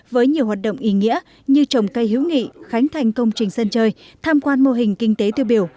với nhiều hoạt động ý nghĩa như trồng cây hữu nghị khánh thành công trình sân chơi tham quan mô hình kinh tế tiêu biểu